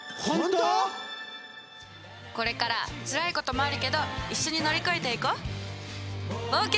これからつらいこともあるけど一緒に乗り越えていこう！